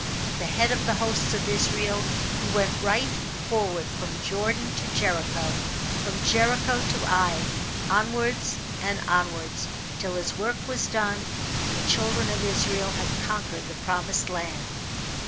At the head of the hosts of Israel he went right ^orward from Jordan to Jericho, from Jericho to Ai, onwards and onwards, till his work was done, and the children of Israel had conquered the Promised Land.